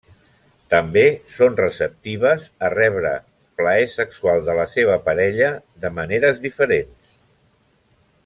També són receptives a rebre plaer sexual de la seva parella de maneres diferents.